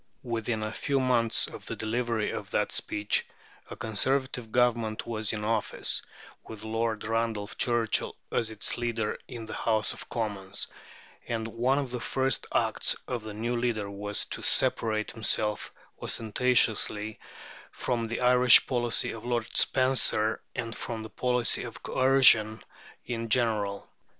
Within a few months of the delivery of that speech a Conservative Government was in office, with Lord Randolph Churchill as its leader in the House of Commons; and one of the first acts of the new leader was to separate himself ostentatiously from the Irish policy of Lord Spencer and from the policy of coercion in general.